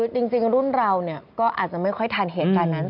จริงรุ่นเราก็อาจจะไม่ค่อยทันเหตุการณ์นั้น